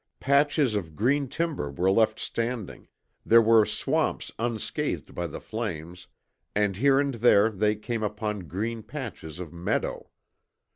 Patches of green timber were left standing, there were swamps unscathed by the flames, and here and there they came upon green patches of meadow.